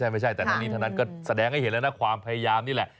ไม่ได้ไม่ใช่แต่น้องนีทนันแสดงให้เห็นความพยายามนี่แหละ